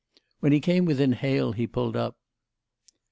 When he came within hail he pulled up.